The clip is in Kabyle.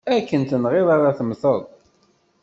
Akken tenɣiḍ ara temmteḍ!